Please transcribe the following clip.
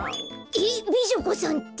えっ美女子さんって？